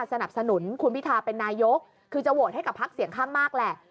สนับสนุนคุณพิทาเป็นนายกคือจะโหวตให้กับพักเสียงข้างมากแหละ